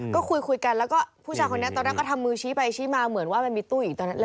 ก็คุยกันพวกเขาเติมชี้ไปชี้มาเหมือนมันมีตู้อ่ะ